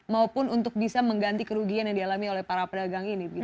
maupun untuk bisa mengganti kerugian yang dialami oleh para pedagang ini